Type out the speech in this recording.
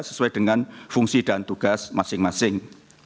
sesuai dengan fungsi dan tugas masing masing